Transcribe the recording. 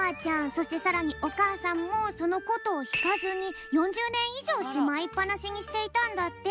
そしてさらにおかあさんもそのことをひかずに４０ねんいじょうしまいっぱなしにしていたんだって。